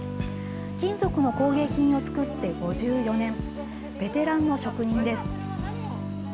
金属の工芸品を作って５４年ベテランの職人です。